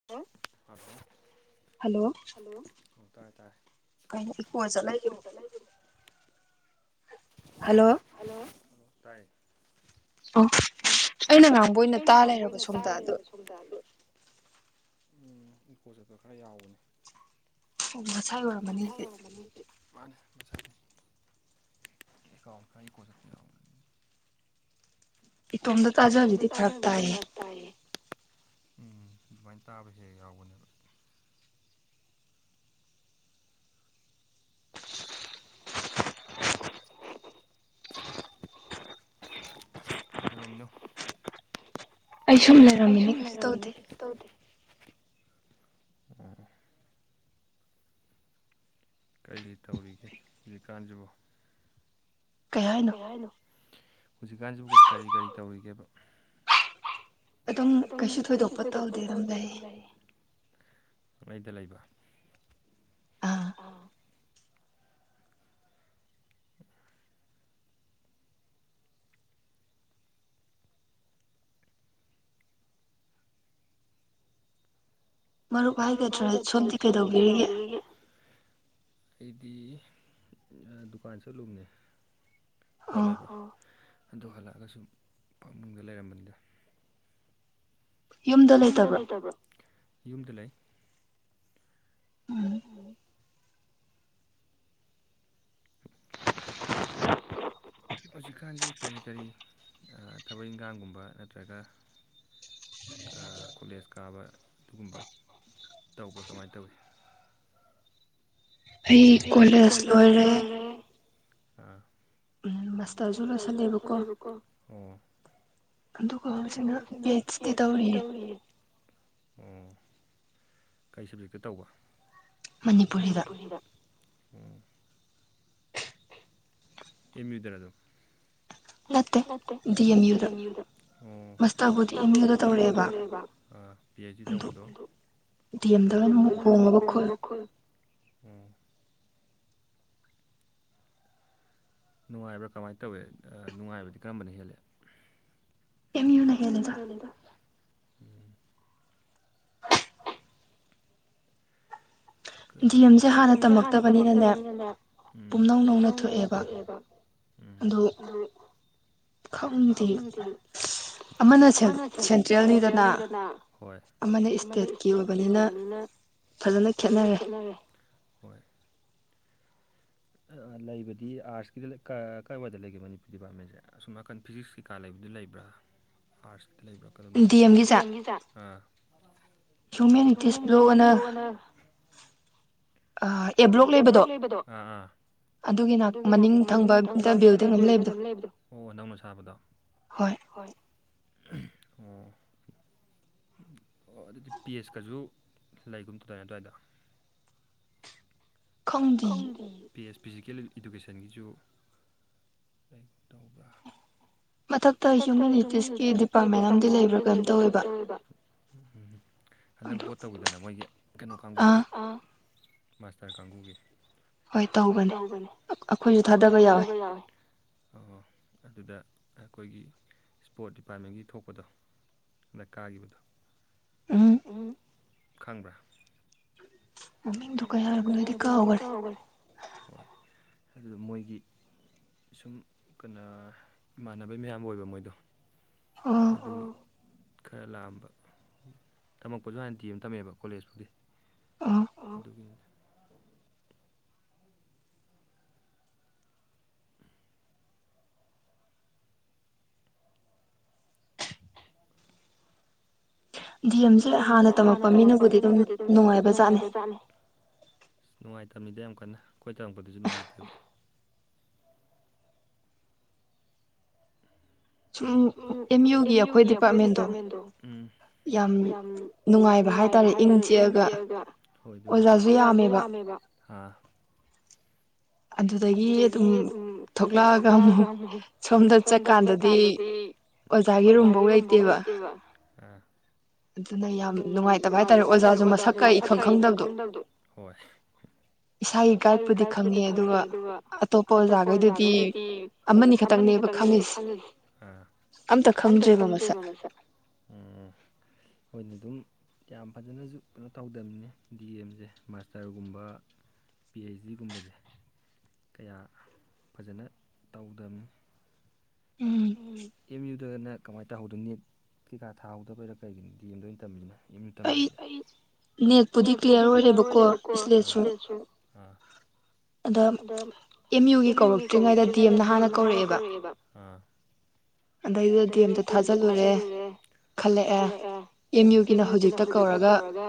[unintelligible] Hello ꯇꯥꯔꯦ - ꯇꯥꯔꯦ ꯏꯀꯣ ꯆꯠ [unintelligible] ꯍꯜꯂꯣ ꯍꯂꯣ ꯇꯥꯏ ꯑꯣ ꯑꯩꯅ ꯉꯥꯡꯕ ꯑꯣꯏꯅ ꯇꯥ ꯂꯩꯔꯕ ꯁꯣꯝꯗ ꯑꯗꯨꯗꯣ [unintelligible] ꯎꯝ ꯏꯀꯣ ꯆꯠꯄ ꯈꯔ ꯌꯥꯎꯕꯅꯦ꯫ [inaudible] ꯃꯥꯅꯦ ꯃꯁꯥꯅꯤ ꯑꯦꯀꯥꯎꯟ ꯈꯔ ꯏꯀꯣ ꯆꯠꯄ ꯌꯥꯎꯕꯅꯦ ꯏꯇꯣꯝꯗ ꯇꯥꯖꯕꯗꯤ ꯐꯔꯛ ꯇꯥꯏꯌꯦ ꯎꯝ ꯑꯗꯨꯃꯥꯏꯅ ꯇꯥꯕ ꯍꯦꯍ‌ꯦꯛ ꯌꯥꯎꯕꯅꯦꯕ ꯀꯩꯗꯧꯔꯝꯃꯤꯅꯣ ꯑꯩꯁꯨꯨꯝ ꯂ ꯑꯩ ꯁꯨꯝ ꯂꯩꯔꯝꯃꯤꯅꯦ ꯀꯧꯁꯨ ꯇꯧꯗꯦ ꯀꯔꯤ ꯀꯔꯤ ꯇꯧꯔꯤꯒꯦ ꯍꯧꯖꯤꯛꯀꯥꯟꯁꯤꯕꯣ ꯀꯩ ꯍꯥꯏ ꯍꯧꯖꯤꯛꯀꯥꯟꯁꯤꯕꯨ ꯀꯔꯤ ꯀꯔꯤ ꯇꯧꯔꯤꯒꯦꯕ? ꯑꯗꯨꯝ ꯀꯩꯁꯨ ꯊꯣꯏꯗꯣꯛꯄ ꯇꯧꯗ ꯑꯗꯨꯝ ꯂꯩꯔꯤ꯫ ꯄꯨꯛꯂꯩꯗ ꯂꯩꯕꯥ ꯑꯥ ꯃꯔꯨꯞ ꯍꯥꯏꯒꯗ꯭ꯔꯥ ꯁꯣꯝꯗꯤ ꯀꯩꯗꯧꯕꯤꯔꯤꯒꯦ? ꯑꯩꯗꯤ ꯗꯨꯀꯥꯟ ꯆꯠꯂꯨꯝꯅꯦ꯫ ꯄꯣꯠ ꯂꯩꯕ ꯑꯗꯨ ꯍꯜꯂꯛꯑꯒ ꯁꯨꯝ ꯐꯃꯨꯡꯗ ꯂꯩꯔꯝꯕꯅꯤꯗ꯫ ꯌꯨꯝꯗ ꯂꯩꯇꯕ꯭ꯔ ꯌꯨꯝꯗ ꯂꯩ ꯑꯣ ꯍꯧꯖꯤꯛꯀꯥꯟꯁꯦ ꯀꯔꯤ ꯀꯔꯤ ꯊꯕꯛ ꯏꯪꯈꯥꯡꯒꯨꯝꯕ ꯅꯠꯇ꯭ꯔꯒ ꯀ ꯀꯣꯂꯦꯖ ꯀꯥꯕ ꯑꯗꯨꯒꯨꯝꯕ ꯇꯧꯕ꯭ꯔꯥ ꯀꯃꯥꯏꯅ ꯇꯧꯏ ꯑꯩ ꯀꯣꯂꯦꯖ ꯂꯣꯏꯔꯦ ꯑꯥ ꯃꯥꯁꯇꯔꯁꯨ ꯂ‌ꯣꯏꯁꯤꯜꯂꯦꯕꯀꯣ ꯑꯣ ꯑꯗꯨꯒ ꯍꯧꯖꯤꯛꯅ ꯄꯤ ꯑꯩꯠꯁ ꯗꯤ ꯇꯧꯔꯤꯌꯦ ꯑꯣ ꯀꯩ ꯁꯕꯖꯦꯛꯇ ꯇꯧꯕ ꯃꯅꯤꯄꯨꯔꯤꯗ ꯑꯦꯝ ꯌꯨ ꯗꯔꯥꯗꯣ ꯅꯠꯇꯦ ꯗꯤꯑꯦꯝꯌꯨꯗ ꯑꯣ ꯃꯥꯁꯇꯔꯕꯨꯗꯤ ꯑꯦꯝꯌꯨꯗ ꯇꯧꯔꯛꯑꯦꯕ ꯑꯥ ꯄꯤ ꯑꯩꯠꯁꯗꯤ ꯇꯧꯕꯗ‌ꯣ ꯗꯤꯑꯦꯝꯗꯒ [inaudible] ꯅꯨꯡꯉꯥꯏꯕ꯭ꯔꯥ ꯀꯃꯥꯏꯅ ꯇꯧꯏ ꯑꯥ ꯅꯨꯡꯉꯥꯏꯕꯗꯤ ꯀꯔꯝꯕꯅ ꯍꯦꯜꯂꯦ ꯑꯦꯝꯌꯨꯅ ꯍ‌ꯦꯜꯂꯤꯗ ꯑꯥ ꯗꯤꯑꯦꯝꯁꯦ ꯍꯥꯟꯅ ꯇꯝꯃꯛꯇꯕꯅꯤꯅꯅꯦ ꯎꯝ ꯄꯨꯝꯅꯧ ꯅꯧꯅ ꯊꯣꯛꯑꯦꯕ ꯑꯗꯣ ꯗ‌ꯣ ꯈꯪꯗꯦ ꯑꯃꯅ ꯁ‌ꯦꯟ ꯁꯦꯟꯇ꯭ꯔꯦꯜꯅꯤꯗꯅ ꯑꯃꯅ ꯏꯁꯇꯦꯠꯀꯤ ꯑꯣꯏꯕꯅꯤꯅ ꯐꯖꯅ ꯈꯦꯠꯅꯔꯦ ꯍꯣꯏ ꯑꯥ ꯂꯩꯕꯗꯤ ꯑꯥꯔꯠꯁꯀꯤꯗ ꯀ ꯀꯥꯏꯋꯥꯏꯗ ꯂꯩꯒꯦ ꯃꯅꯤꯄꯨꯔꯤ ꯗꯤꯄꯥꯔꯠꯃꯦꯟꯁꯦ ꯑꯁꯨꯝ ꯅꯥꯀꯟ ꯐꯤꯖꯤꯛꯁ ꯀꯩꯀꯥ ꯂꯩꯕꯗꯨ ꯂꯩꯕ꯭ꯔꯥ ꯑꯥꯔꯠꯁꯇ ꯂꯩꯕ꯭ꯔꯥ ꯀꯗ‌ꯣꯝꯗ ꯂꯩ ꯗꯤꯑꯦꯝ ꯒꯤꯁ‌ꯦ ꯑꯥ ꯍꯨꯃꯦꯟꯅꯤꯇꯤꯁ ꯕ꯭ꯂ‌ꯣꯛ ꯑꯅ ꯑꯥ ꯑꯦꯕ꯭ꯂꯣꯛ ꯂꯩꯕꯗꯣ ꯑꯥꯑꯥ ꯑꯗꯨꯒꯤꯅ ꯃꯅꯤꯡ ꯊꯪꯕꯗ ꯕꯤꯜꯗꯤꯡ ꯑꯝ ꯂꯩꯕꯗꯣ ꯑꯣ ꯅꯧꯅ ꯁꯥꯕꯗꯣ ꯍꯣꯏ ꯑꯣ ꯑꯣ ꯑꯗꯨꯗꯤ ꯄꯦꯁꯀꯖꯨ ꯂꯩꯒꯨꯝ ꯇꯧꯗꯥꯏ ꯑꯗ꯭ꯋꯥꯏꯗ ꯈꯪꯗꯤꯌ‌ꯦ ꯄ‌ꯦꯁ ꯐꯤꯖꯤꯀꯦꯜ ꯏ ꯏꯗꯨꯀꯦꯁꯟꯒꯤꯁꯨ ꯂꯩ ꯇꯧꯕ꯭ꯔꯥ ꯃꯊꯛꯇ ꯍ꯭ꯌꯨꯃꯤꯅꯤꯇꯤꯁꯀꯤ ꯗꯤꯄꯥꯔꯠꯃꯦꯟ ꯑꯃꯗꯤ ꯂꯩꯕ꯭ꯔꯥ ꯀꯩꯅꯝ ꯇꯧꯋꯦꯕ ꯎꯝ ꯎꯝ ꯍꯟꯗꯛ ꯚ‌ꯣꯠ ꯇꯧꯋꯤꯗꯅ ꯃꯣꯏꯒꯤ ꯀꯩꯅꯣ ꯀꯥꯡꯕꯨꯒꯤ ꯑ‌ꯣ ꯃꯥꯁꯇꯔ ꯀꯥꯡꯒꯨꯒꯤ ꯍꯣꯏ ꯇꯧꯕꯅꯤ ꯑ ꯑꯩꯈꯣꯏꯁꯨ ꯊꯥꯗꯕ ꯌꯥꯎꯋꯦ ꯑꯣ ꯑꯗꯨꯗ ꯑꯩꯈꯣꯏꯒꯤ ꯁ꯭ꯄꯣꯔꯠ ꯗꯤꯄꯥꯔꯠꯃꯦꯟꯒꯤ ꯊꯣꯛꯄꯗꯣ ꯍꯥꯟꯗꯥꯛ ꯀꯥꯈꯤꯕꯗꯣ ꯎꯝ ꯈꯪꯕ꯭ꯔꯥ ꯃꯃꯤꯡꯗꯣ ꯀꯩ ꯍꯥꯢꯕꯅꯣꯗꯤ ꯀꯥꯎꯈ꯭ꯔꯦ ꯑꯗꯨ ꯃꯣꯏꯒꯤ ꯁꯨꯝ ꯀꯩꯅꯣ ꯏꯃꯥꯟꯅꯕꯩ ꯃꯌꯥꯝꯕ ꯑꯣꯏꯕ ꯃꯣꯏꯗꯣ ꯑꯗꯨ ꯈꯔ ꯂꯥꯛꯑꯝꯕ ꯇꯝꯃꯛꯄꯁꯨ ꯍꯥꯟꯅꯗꯤ ꯇꯝꯃꯦꯑꯦꯕ ꯀꯣꯂꯦꯖꯄꯨꯗꯤ ꯑꯥ ꯑꯥꯎ ꯗꯤ ꯑꯦꯝꯁꯦ ꯍꯥꯟꯅ ꯇꯝꯃꯛꯄ ꯃꯤꯅꯕꯨꯗꯤ ꯑꯗꯨꯝ ꯅꯨꯡꯉꯥꯏꯕꯖꯥꯠꯅꯤ ꯅꯨꯡꯉꯥꯏꯇꯕꯅꯤꯗ ꯌꯥꯝ ꯀꯟꯅ ꯈꯣꯏ ꯇꯝꯃꯛꯄꯗꯁꯨ ꯅꯨꯡꯉꯥꯏꯇꯦ ꯁꯨꯝ ꯑꯦꯝ ꯌꯨꯒꯤ ꯑꯩꯈꯣꯏ ꯗꯤꯄꯥꯔꯠꯃꯦꯟꯗꯣ ꯌꯥꯝ ꯅꯨꯡꯉꯥꯏꯕ ꯍꯥꯏꯇꯥꯔꯦ ꯏꯪ ꯆꯦꯜꯂ ꯑꯣꯖꯥꯁꯨ ꯌꯥꯝꯃꯦꯕ ꯑꯗꯨꯗꯒꯤ ꯑꯗꯨꯝ ꯊꯣꯛꯂꯛꯑꯒ ꯑꯃꯨꯛ ꯁꯣꯝꯗ ꯆꯠꯀꯥꯟꯗꯗꯤ ꯑꯣꯖꯥꯒꯤ ꯔꯨꯝꯐꯧ ꯂꯩꯇꯦꯕ ꯑꯥ ꯑꯗꯨꯅ ꯌꯥꯝ ꯅꯨꯡꯉꯥꯏꯇꯕ ꯍꯥꯏꯇꯥꯔꯦ ꯑꯣꯖꯥꯁꯨ ꯃꯁꯛꯀ ꯏꯈꯪ ꯈꯪꯗꯕꯗꯣ ꯏꯁꯥꯒꯤ ꯒꯥꯏꯠꯄꯨꯗꯤ ꯈꯪꯉ‌ꯦ ꯑꯗꯨꯒ ꯑꯇꯣꯞꯄ ꯑꯣꯖꯥꯈꯩꯗꯨꯗꯤ ꯑꯃꯅꯤ ꯈꯛꯇꯪꯅꯦꯕ ꯈꯪꯉꯤꯁꯦ ꯑꯝꯇ ꯈꯪꯗ꯭ꯔꯦꯕ ꯃꯁꯛ [inaudible] ꯑꯩꯈꯣꯏꯅ ꯑꯗꯨꯝ ꯌꯥꯝ ꯐꯖꯅꯁꯨ ꯀꯩꯅꯣ ꯇꯧꯗꯕꯅꯦ ꯗꯤ ꯑꯦꯝꯁꯦ ꯃꯥꯁꯇꯔꯒꯨꯝꯕ ꯄꯤ ꯑꯩꯩꯆ ꯗꯤꯒꯨꯝꯕꯁꯦ ꯀꯌꯥ ꯐꯖꯅ ꯇꯧꯗꯝꯅꯤ ꯎꯝ ꯑꯦꯝ ꯌꯨꯗꯅ ꯀꯃꯥꯏꯅ ꯇꯧꯍꯧꯗꯅ ꯅꯦꯠ ꯀꯩꯀꯥ ꯊꯥꯍꯧꯗꯕꯩꯔꯥ ꯀꯩꯒꯤꯅꯣ ꯗꯤ ꯑꯦꯝꯗ ꯑꯣꯏꯅ ꯇꯝꯃꯤꯁꯤꯅ ꯌꯨ ꯇꯝꯗꯕꯤꯗ ꯑꯩ ꯅꯦꯠꯄꯨꯗꯤ ꯀ꯭ꯂꯤꯌꯥꯔ ꯑꯣꯏꯔꯦꯕꯀꯣ ꯑꯥ ꯏꯁꯂ‌ꯦꯠꯁꯨ ꯑꯥ ꯑꯗ ꯑꯦꯝ ꯌꯨꯒꯤ ꯀꯧꯔꯛꯇ꯭ꯔꯤꯉꯩꯗ ꯗꯤ ꯑꯦꯝꯅ ꯍꯥꯟꯅ ꯀꯧꯔꯛꯑꯦꯕ ꯑꯗꯩꯗꯤ ꯗꯤ ꯑꯝꯇ ꯊꯥꯖꯤꯜꯂꯨꯔꯦ ꯈꯜꯂꯛꯑꯦ ꯑꯦꯝ ꯌꯨꯒꯤꯅ ꯍꯧꯖꯤꯛꯇ ꯀꯧꯔꯒ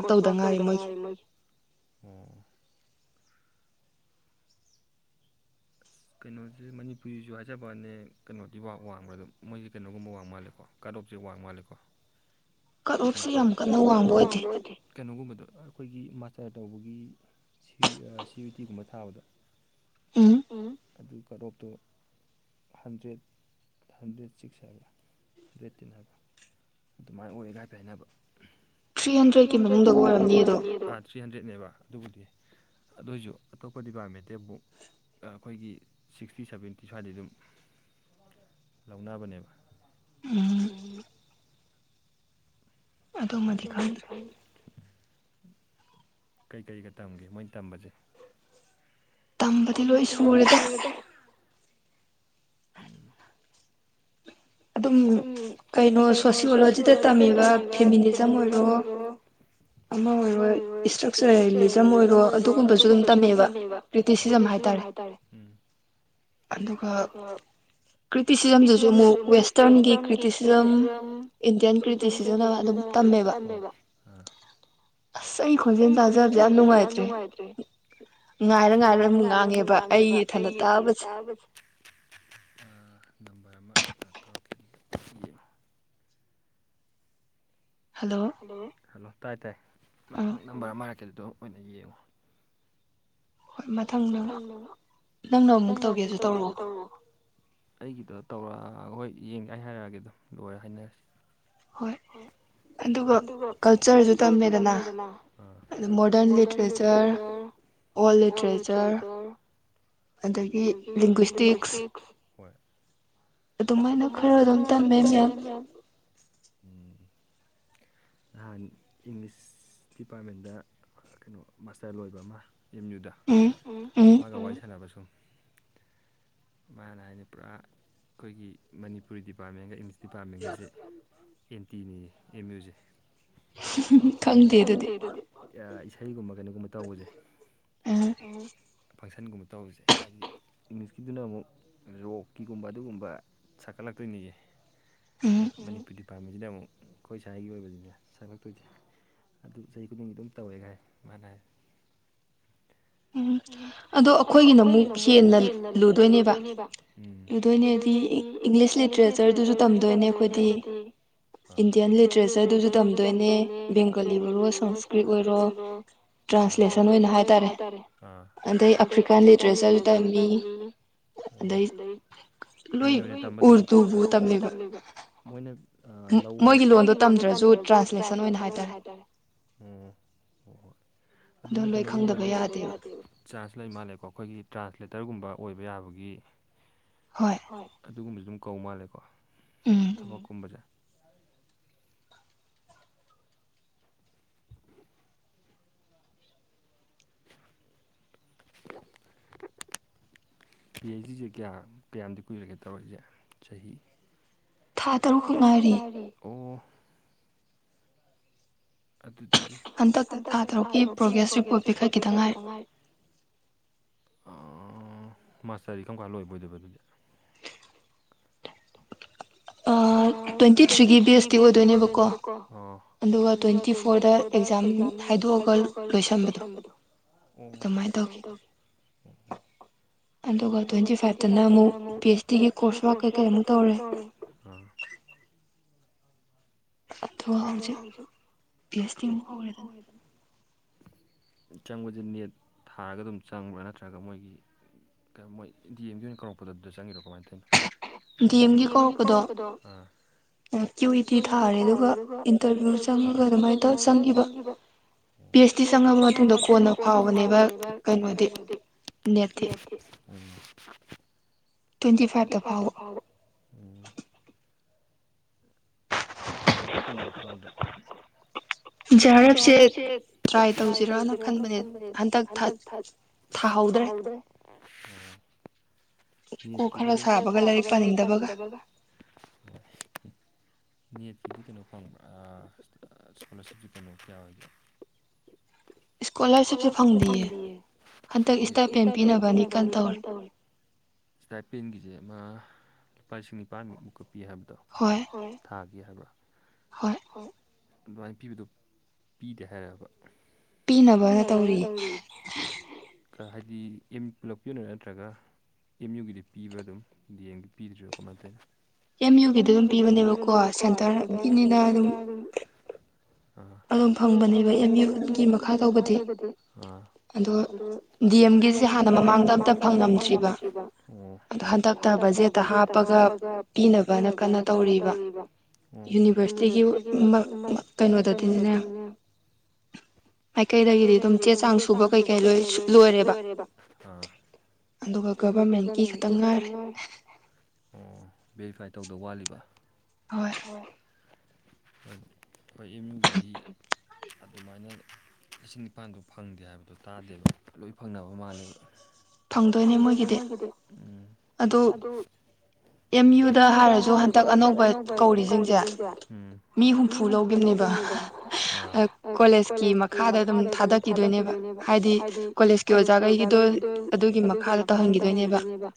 ꯀꯣꯁ ꯋꯥꯛ ꯇꯧꯗ ꯉꯥꯢꯔꯤ ꯃꯣꯢꯒꯤ ꯀꯩꯅꯣꯁꯦ ꯃꯅꯤꯄꯨꯔꯤꯁꯨ ꯍꯥꯏꯖꯕꯩ ꯀꯩꯅꯣꯗꯤ ꯋꯥꯡꯕ꯭ꯔꯥꯗ ꯃꯣꯏꯒꯤ ꯀꯩꯅꯣꯒꯨꯝꯕ ꯋꯥꯡ ꯃꯥꯜꯂꯦꯀꯣ ꯀꯥꯠ ꯑꯣꯞꯁꯦ ꯋꯥꯡ ꯃꯥꯜꯂꯦꯀꯣ ꯀꯥꯠ ꯑꯣꯞ ꯌꯥꯝ ꯀꯥꯟꯅ ꯋꯥꯡꯕ ꯑꯣꯢꯗꯦ ꯀꯩꯅꯣꯒꯨꯝꯕꯗꯣ ꯑꯩꯈꯣꯏꯒꯤ ꯃꯥꯢꯇꯔ ꯇꯧꯕꯒꯤ ꯁꯤ ꯁꯤꯌꯤ ꯇꯤꯒꯨꯝꯕ ꯊꯥꯕꯗꯣ ꯎꯝ ꯎꯝ ꯑꯗꯨꯢ ꯀꯥꯠ ꯑꯣꯞꯇꯣ ꯍꯟꯗ꯭ꯔꯦꯠ ꯍꯟꯗ꯭ꯔꯦꯠ ꯁꯤꯛꯁ ꯍꯥꯏꯕ ꯍꯟꯗ꯭ꯔꯦꯠ ꯇꯦꯟ ꯍꯥꯏꯕꯔꯥ ꯑꯗꯨꯃꯥꯏꯅ ꯑꯣꯏ ꯍꯥꯢꯐꯦꯠ ꯍꯥꯏꯅꯕ ꯊ꯭ꯔꯤ ꯍꯟꯗ꯭ꯔꯦꯒꯤ ꯃꯅꯦꯡꯗ ꯑꯣꯢꯔꯝꯅꯤ ꯑꯗꯣ ꯊ꯭ꯔꯤ ꯍꯟꯗ꯭ꯔꯦꯗꯅꯦꯕ ꯑꯗꯨꯕꯨꯗꯤ ꯑꯗꯨ ꯑꯣꯏꯁꯨ ꯑꯇꯣꯞꯄ ꯗꯤꯄꯥꯔꯠꯃꯦꯟꯇꯦꯜ ꯇꯤ ꯑꯃꯨꯛ ꯑꯩꯈꯣꯏꯒꯤ ꯁꯤꯛꯁꯇꯤ ꯁꯕꯦꯟꯇꯤ ꯁ꯭ꯋꯥꯏꯗꯗꯤ ꯑꯗꯨꯝ ꯂꯧꯅꯕꯅꯦꯕ ꯑꯗꯨꯃꯗꯤ ꯈꯪꯗ꯭ꯔꯦ ꯀꯩꯀꯩꯒ ꯇꯝꯒꯦ ꯃꯣꯏꯅ ꯇꯝꯕꯁꯦ ꯇꯝꯕꯗꯤ ꯂꯣꯏ ꯁꯨꯔꯦꯗ ꯎꯝ ꯑꯗꯨꯝ ꯀꯩꯅꯣ ꯁꯣꯁꯤꯌꯣꯂꯣꯖꯤꯗ ꯇꯝꯃꯤꯕ ꯐꯦꯃꯤꯂꯤꯖꯝ ꯑꯣꯏꯔꯣ ꯑꯃ ꯑꯣꯏꯔꯣ ꯏꯁꯇ꯭ꯔꯛꯆꯔꯦꯂꯤꯖꯝ ꯑꯣꯏꯔꯣ ꯑꯗꯨꯒꯨꯝꯕꯁꯨ ꯑꯗꯨꯝ ꯇꯝꯃꯦꯕ ꯀ꯭ꯔꯤꯇꯤꯁꯤꯖꯝ ꯍꯥꯏꯇꯥꯔꯦ ꯑꯗꯨꯒ ꯀ꯭ꯔꯤꯇꯤꯁꯤꯖꯝꯗꯨꯁꯨ ꯑꯃꯨꯛ ꯋꯦꯁ ꯇ꯭ꯔꯟꯒꯤ ꯀ꯭ꯔꯤꯇꯤꯁꯤꯖꯝ ꯏꯟꯗꯤꯌꯥꯟ ꯀ꯭ꯔꯤꯇꯤꯁꯤꯖꯝ ꯑꯃ ꯑꯗꯨꯝ ꯇꯝꯃꯦꯕ ꯑꯁ ꯑꯩ ꯈꯣꯟꯖꯦꯜ ꯇꯥꯖꯕꯖꯦ ꯌꯥꯝ ꯅꯨꯡꯉꯥꯏꯇ꯭ꯔꯦ ꯉꯥꯏꯔ ꯉꯥꯏꯔ ꯑꯃꯨꯛ ꯉꯥꯡꯉꯦꯕ ꯑꯩ ꯏꯊꯥꯟꯗ ꯇꯥꯕꯁꯦ ꯅꯝꯕꯔ ꯑꯃ ꯂꯥꯊꯣꯔꯛꯒꯦ ꯍꯜꯂꯣ ꯍꯜꯂꯣ ꯍꯜꯂꯣ ꯇꯥꯏ ꯇꯥꯏ ꯃꯊꯪ ꯅꯝꯕꯔ ꯑꯃ ꯍꯥꯏꯔꯛꯀꯦ ꯑꯗꯨꯗ ꯑꯣꯏꯅ ꯌꯦꯡꯉꯣ ꯍꯣꯏ ꯃꯊꯪ ꯅꯪꯅ ꯑꯃꯨꯛ ꯇꯧꯒꯦꯁꯨ ꯇꯧꯔꯛꯑꯣ ꯑꯩꯒꯤꯗꯣ ꯇꯧꯔ ꯍꯣꯏ ꯌꯦꯡ ꯑꯩ ꯍꯥꯏꯔꯛꯑꯒꯦ ꯑꯗꯨꯝ ꯂꯣꯏꯔ ꯍꯥꯏꯅꯔꯁꯤ ꯑꯗꯨꯒ ꯀꯜꯆꯔꯖꯨ ꯇꯝꯃꯦꯗꯅ ꯃꯣꯔꯗ꯭ꯔꯟ ꯂꯤꯇ꯭ꯔꯦꯆꯔ ꯑꯣꯜ ꯂꯤꯇꯔꯦꯆꯔ ꯑꯗꯒꯤ ꯂꯒ꯭ꯋꯁꯇꯤꯛꯁ ꯑꯗꯨꯃꯥꯏꯅ ꯈꯔ ꯑꯗꯨꯝ ꯇꯝꯃꯦ ꯃꯌꯥꯝ ꯅꯍꯥꯟ ꯏꯪꯂꯤꯁ ꯗꯤꯄꯥꯔꯠꯃꯦꯟꯗ ꯀꯩꯅꯣ ꯃꯥꯁꯇꯔ ꯂꯣꯏꯕ ꯑꯃ ꯑꯦꯝ ꯌꯨꯗ ꯃꯥꯒ ꯋꯥꯔꯤ ꯁꯥꯟꯅꯕ ꯁꯨꯝ ꯃꯥꯅ ꯍꯥꯏꯅꯤ ꯄꯨꯔꯥ ꯑꯩꯈꯣꯏꯒꯤ ꯃꯅꯤꯄꯨꯔꯤ ꯗꯤꯄꯥꯔꯠꯃꯦꯟꯒ ꯏꯪꯂꯤꯁ ꯗꯤꯄꯥꯔꯠꯃꯦꯟꯒꯁꯦ ꯑꯦꯟ ꯇꯤꯅꯤꯌꯦ ꯑꯦꯝ ꯌꯨꯁꯦ ꯈꯗꯦ ꯑꯗꯨꯗꯤ ꯏꯁꯩꯒꯨꯝꯕ ꯀꯩꯅꯣꯒꯨꯝꯕ ꯇꯧꯕꯁꯦ ꯎꯝ ꯐꯪꯁꯟꯒꯨꯝꯕ ꯇꯧꯔꯤꯁꯦ ꯍꯥꯏꯗꯤ ꯏꯪꯂꯤꯁꯀꯤꯗꯨꯅ ꯑꯃꯨꯛ ꯔꯣꯛꯀꯤꯒꯨꯝꯕ ꯑꯗꯨꯒꯨꯝꯕ ꯁꯥꯀꯠꯂꯛꯇꯣꯏꯅꯤꯌꯦ ꯃꯅꯤꯄꯨꯔ ꯗꯤꯄꯥꯔꯠꯃꯦꯟꯁꯤꯗ ꯑꯃꯨꯛ ꯑꯩꯈꯣꯏ ꯁꯋꯥꯥꯏꯒꯤ ꯑꯣꯏꯕꯅꯤꯅ ꯁꯪꯉꯛ ꯇꯣꯏꯁꯦ ꯑꯗꯨ ꯆꯍꯤ ꯈꯨꯗꯤꯡꯒꯤ ꯑꯗꯨꯝ ꯇꯧꯋꯦꯒꯥꯏ ꯃꯥꯅ ꯍꯥꯏ [unintelligible] ꯎꯝ ꯑꯗꯣ ꯑꯩꯈꯣꯏꯒꯤꯅ ꯑꯃꯨꯛ ꯍꯦꯟꯅ ꯂꯨꯗꯣꯏꯅꯦꯕ ꯂꯨꯗꯣꯢꯅꯦꯗꯤ ꯏꯪꯂꯤꯁ ꯂꯤꯇ꯭ꯔꯦꯆꯔꯗꯨꯁꯨ ꯇꯝꯗꯣꯏꯅꯦ ꯑꯩꯈꯣꯏꯗꯤ ꯏꯟꯗꯤꯌꯥꯟ ꯂꯤꯇ꯭ꯔꯦꯆꯔ ꯑꯗꯨꯁꯨ ꯇꯝꯗꯣꯏꯅꯦ ꯕꯦꯡꯒꯣꯂꯤ ꯑꯣꯏꯔꯣ ꯁꯪꯁꯀ꯭ꯔꯤꯠ ꯑꯣꯏꯔꯣ ꯇ꯭ꯔꯥꯟꯁꯂꯦꯁꯟ ꯑꯣꯏꯅ ꯍꯥꯏꯇꯥꯔꯦ ꯔꯦ ꯑꯗꯩ ꯑꯐ꯭ꯔꯤꯀꯥꯟ ꯂꯤꯇꯔꯦꯆꯔꯖꯨ ꯇꯝꯃꯤ ꯑꯗꯩ ꯃꯦꯟ ꯑꯣꯏꯅ ꯇꯝꯕꯗꯨꯝ ꯅꯣꯏ ꯎꯔꯗꯨꯒꯨ ꯇꯝꯂꯤꯕꯣ ꯃꯣꯏꯅ ꯑ ꯂꯧꯕꯅ ꯃꯣꯏꯒꯤ ꯂꯣꯟꯗ ꯇꯝꯗ꯭ꯔꯁꯨ ꯇ꯭ꯔꯥꯟꯁꯂꯦꯁꯟ ꯑꯣꯏꯅ ꯍꯥꯏꯇꯥꯔꯦ ꯑꯗꯨꯃ ꯀꯩꯅꯕ ꯌꯥꯗꯦꯕ ꯆꯥꯟꯁ ꯂꯩ ꯃꯥꯜꯂꯦꯀꯣ ꯑꯩꯈꯣꯏꯒꯤ ꯇ꯭ꯔꯥꯟꯁꯂꯦꯇꯔꯒꯨꯝꯕ ꯑꯣꯏꯕ ꯌꯥꯕꯒꯤ ꯍꯣꯏ ꯍꯣꯏ ꯑꯗꯨꯒꯨꯝꯕꯁꯨ ꯑꯗꯨꯝ ꯀꯧ ꯃꯥꯜꯂꯦꯀꯣ ꯎꯝ ꯂꯧꯀꯨꯝ ꯕꯖꯦ [unintelligible] ꯌꯦ ꯁꯤꯁꯦ ꯀꯌꯥ ꯀꯌꯥꯝꯗꯤ ꯀꯨꯏꯔꯒꯦ ꯇꯧꯔꯛꯏꯁꯦ ꯆꯍꯤ ꯊꯥ ꯇꯔꯨꯛ ꯈꯛ ꯉꯥꯏꯔꯦ ꯍꯟꯗꯛꯇ ꯊꯥ ꯇꯔꯨꯛꯀꯤ ꯄ꯭ꯔꯣꯒ꯭ꯔꯦꯁ ꯔꯤꯄꯣꯔꯠ ꯄꯤꯈꯠ ꯈꯤꯗ ꯉꯥꯏꯔꯤ ꯃꯥꯁ ꯇꯔꯤꯛ ꯀꯝ ꯀꯥꯟ ꯂꯣꯏꯕꯣꯏꯗꯣꯏꯕ ꯑꯗꯨꯗꯤ ꯑ ꯇꯣꯏꯟꯇꯤ ꯊ꯭ꯔꯤꯒꯤ ꯕꯦꯁꯇꯤ ꯑꯣꯏꯗꯣꯏꯅꯦꯕꯀꯣ ꯑꯗꯨꯒ ꯇꯣꯏꯟꯇꯤ ꯐꯣꯔꯗ ꯑꯦꯛꯖꯥꯝ ꯍꯥꯏꯗꯣꯛꯑꯒ ꯂꯣꯏꯁꯟꯕꯗꯣ ꯎꯝ ꯀꯃꯥꯏꯅ ꯇꯧꯒꯦ ꯑꯗꯨꯒ ꯇ꯭ꯋꯦꯟꯇꯤ ꯐꯥꯏꯚꯇꯅ ꯑꯃꯨꯛ ꯄꯤ ꯑꯩꯆ ꯗꯤꯒꯤ ꯀꯣꯔꯁ ꯋꯥ ꯀꯩ ꯀꯩꯃꯨꯛ ꯇꯧꯔꯦ ꯑ ꯊꯂꯁꯦ ꯑꯦꯁ ꯇꯤ ꯑꯃ ꯑꯣꯏꯦꯗꯅ ꯆꯪꯕꯁꯦ ꯅꯦꯠ ꯊꯥꯔꯒ ꯑꯗꯨꯝ ꯆꯪꯕ꯭ꯔꯥ ꯅꯠꯇ꯭ꯔꯒ ꯃꯣꯏꯒꯤ ꯃꯣꯏꯟꯗꯤ ꯑꯦꯝꯒꯤ ꯑꯣꯏꯅ ꯀꯧꯔꯛꯄꯗ ꯑꯗꯨꯗ ꯆꯪꯤꯔꯣ ꯀꯃꯥꯏꯅ ꯇꯧꯅꯣ ꯗꯤ ꯑꯦꯝꯒꯤ ꯀꯣꯛꯄꯗꯣ ꯊꯥꯔꯦ ꯑꯗꯨꯒ ꯏꯟꯇꯔꯚꯤꯌꯨ ꯆꯪꯉꯒ ꯑꯗꯨꯃꯥꯏꯅ ꯇꯧꯔ ꯆꯪꯈꯤꯕ ꯄꯤ ꯑꯩꯆ ꯗꯤ ꯆꯪꯉꯕ ꯃꯇꯨꯡꯗ ꯀꯣꯟꯅ ꯐꯥꯎꯕꯅꯦꯕ ꯀꯩꯅꯣꯗꯤ ꯌꯦ ꯇ꯭ꯋꯦꯟꯇꯤ ꯐꯥꯏꯚꯇ ꯐꯥꯎ [unintelligible] ꯖꯤ ꯑꯥꯔ ꯑꯦꯞꯁꯦ ꯇ꯭ꯔꯥꯏ ꯇꯧꯁꯤꯔꯅ ꯈꯟꯕꯅꯦ ꯍꯟꯗꯛ ꯊꯠ ꯊꯥꯍꯧꯗ꯭ꯔꯦ ꯈꯔ ꯁꯥꯕꯒ ꯂꯥꯏꯔꯤꯛ ꯄꯥꯅꯤꯡꯗꯕꯒ ꯅꯦꯠꯀꯤꯗꯤ ꯀꯩꯅꯣ ꯐꯪꯕ꯭ꯔꯥ ꯏꯁꯀꯣꯂꯥꯔꯁꯤꯞꯁꯨ ꯀꯩꯅꯣ ꯀꯌꯥ ꯑꯣꯏꯒꯦ ꯏꯁꯀꯣꯂꯔꯁꯤꯞꯁꯨ ꯀꯝꯗꯤꯌꯦ ꯍꯟꯇꯛ ꯏꯁꯇꯥꯞꯄꯦꯟ ꯄꯤꯅꯕꯅꯤ ꯀꯟ ꯇꯧꯔꯤ ꯏꯁꯇꯥꯏꯞ ꯄꯦꯟꯒꯤꯁꯦ ꯑꯃ ꯂꯨꯄꯥ ꯂꯤꯁꯤꯡ ꯅꯤꯄꯥꯥꯟꯃꯨꯛ ꯃꯨꯛꯀ ꯄꯤ ꯍꯥꯏꯕꯗꯣ ꯍꯣꯏ ꯊꯥꯈꯤ ꯍꯥꯏꯕ꯭ꯔꯥ ꯍꯣꯏ ꯍꯣꯏ ꯑꯗꯨꯃꯥꯏꯅ ꯄꯤꯕꯗꯣ ꯄꯤꯗꯦ ꯍꯥꯏꯔꯛꯑꯕ ꯄꯤꯅꯕꯅ ꯇꯧꯔꯤ ꯍꯥꯏꯗꯤ ꯏꯝ ꯄꯨꯂꯞꯀꯤ ꯑꯣꯏꯅꯔ ꯅꯠꯇ꯭ꯔꯒ ꯑꯦꯝ ꯌꯨꯒꯤꯗꯤ ꯄꯤꯕ꯭ꯔꯥ ꯑꯗꯨꯝ ꯗꯤ ꯑꯦꯝꯒꯤ ꯄꯤꯗ꯭ꯔꯤꯕꯥ ꯀꯃꯥꯏ ꯇꯧꯏꯅꯣ ꯑꯦꯝ ꯌꯨꯒꯤꯗꯤ ꯑꯗꯨꯝ ꯄꯤꯕꯅꯦꯕꯀꯣ ꯁꯦꯟꯇꯔꯗ ꯑꯗꯨꯝ ꯑꯗꯨꯝ ꯐꯪꯕꯅꯦꯕ ꯑꯦꯝ ꯌꯨꯒꯤ ꯃꯈꯥ ꯇꯧꯕꯗꯤ ꯑ ꯗꯤ ꯑꯦꯝꯒꯤꯁꯦ ꯍꯥꯟꯅ ꯃꯃꯥꯡꯗ ꯑꯝꯇ ꯐꯪꯉꯝꯗ꯭ꯔꯤꯕ ꯍꯟꯗꯛꯇ ꯚꯥꯖꯦꯠꯇ ꯍꯥꯞꯄꯒ ꯄꯤꯅꯕꯅ ꯀꯟꯅꯥ ꯇꯧꯔꯤꯕ ꯌꯨꯅꯤꯚꯔꯁꯤꯇꯤꯒꯤ ꯑꯗꯨꯗꯩꯅꯦ ꯃꯥꯏꯀꯩꯗꯒꯤꯗꯤ ꯑꯗꯨꯝ ꯆꯦ ꯆꯥꯡ ꯁꯨꯕ ꯀꯩꯀꯩ ꯂꯣꯏꯔꯦꯕ ꯑꯗꯨꯒ ꯕꯔꯃꯦꯟꯀꯤ ꯈꯇꯝꯅꯔꯦ ꯑꯣ ꯚꯦꯔꯤꯐꯥꯏ ꯇꯧꯗꯧ ꯋꯥꯠꯂꯤꯕ ꯍ ꯍ ꯍꯣꯏ ꯏꯃꯨꯡꯒꯤꯗꯤ ꯑꯗꯨꯃꯥꯏꯅ ꯂꯤꯁꯤꯡ ꯅꯤꯄꯥꯜꯗꯣ ꯐꯪꯗꯦ ꯍꯥꯏꯕꯗꯣ ꯇꯥꯗꯦꯕ ꯂꯣꯏ ꯐꯪꯅꯕ ꯃꯥꯜꯂꯦꯕ ꯐꯪꯗꯣꯏꯅꯦ ꯃꫭꯏꯒꯤꯗꯤ ꯎꯝ ꯑꯗꯨ ꯑꯦꯝ ꯌꯨꯗ ꯍꯥꯏꯔꯁꯨ ꯍꯟꯇꯛ ꯑꯅꯧꯕ ꯀꯧꯔꯤꯖꯤꯡꯁꯦ ꯎꯝ ꯃꯤ ꯍꯨꯝꯐꯨ ꯂꯧꯒꯤꯝꯅꯦꯕ ꯀꯣꯂꯦꯖꯀꯤ ꯃꯈꯥꯗ ꯑꯗꯨꯝ ꯊꯥꯗꯈꯤꯗꯣꯏꯅꯦꯕ ꯍꯥꯏꯗꯤ ꯀꯣꯂꯦꯁꯀꯤ ꯑꯣꯖꯥꯈꯩꯒꯤꯗꯣ ꯑꯗꯨꯒꯤ ꯃꯈꯥꯗ ꯇꯧꯍꯟꯈꯤꯗꯣꯏꯅꯦꯕ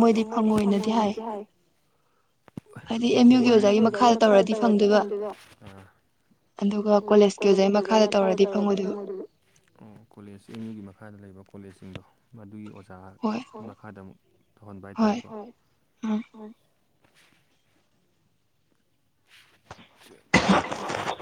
ꯑꯗꯨ ꯃꯣꯏꯗꯤ ꯐꯪꯉꯣꯏꯅꯗꯤ ꯍꯥꯏ [unintelligible] ꯑꯦꯝ ꯌꯨꯒꯤ ꯑꯣꯖꯥꯒꯤ ꯃꯈꯥ ꯇꯧꯔꯗꯤ ꯐꯪꯗꯣꯏꯕ ꯑꯗꯨꯒ ꯀꯣꯂꯦꯖꯀꯤ ꯑꯣꯖꯥ ꯃꯈꯥꯗ ꯇꯧꯔꯗꯤ ꯐꯪꯉꯣꯏꯗꯣꯏꯕ ꯑꯣ ꯀꯣꯂꯦꯖ ꯑꯦꯝ ꯌꯨꯒꯤ ꯃꯈꯥꯗ ꯂꯩꯕ ꯀꯣꯂꯦꯖꯁꯤꯡꯗꯣ ꯃꯗꯨꯒꯤ ꯑꯣꯖꯥ ꯍꯣꯏ ꯃꯈꯥꯗ ꯑꯃꯨꯛ ꯇꯧꯍꯟꯕ ꯍꯥꯏꯇꯥꯔꯦꯀꯣ ꯍꫭꯏ‌ꯎꯝ [unintelligible]